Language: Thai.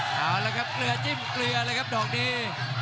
เอาละครับเกลือจิ้มเกลือเลยครับดอกนี้